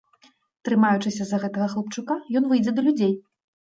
Трымаючыся за гэтага хлапчука, ён выйдзе да людзей.